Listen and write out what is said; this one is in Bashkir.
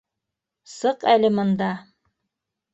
Сыҡ әле мында!